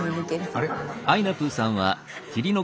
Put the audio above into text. あれ？